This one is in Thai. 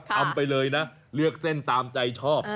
ไปเลยนะเลือกเส้นตามใจชอบ